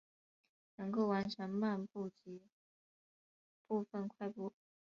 能够完成漫步及部份快步。